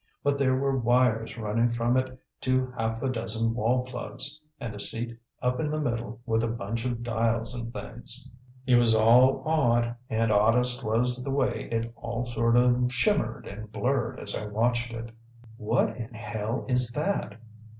But there were wires running from it to half a dozen wall plugs, and a seat up in the middle with a bunch of dials and things. It was all odd, and oddest was the way it all sort of shimmered and blurred as I watched it. "What in hell is that?"